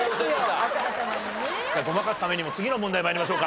ごまかすためにも次の問題参りましょうか。